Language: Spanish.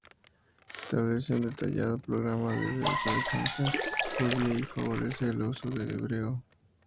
Establece un detallado programa de autodefensa judía y favorece el uso del hebreo.